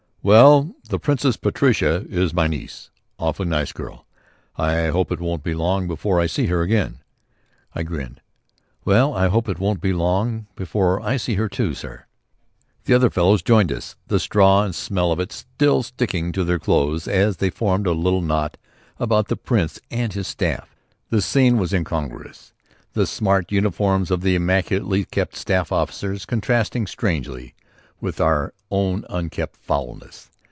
"Well, the Princess Patricia is my niece awfully nice girl. I hope it won't be long before I see her again." I grinned: "Well, I hope it won't be long before I see her, too, sir." The other fellows joined us, the straw and the smell of it still sticking to their clothes as they formed a little knot about the Prince and his staff. The scene was incongruous, the smart uniforms of the immaculately kept staff officers contrasting strangely with our own unkempt foulness.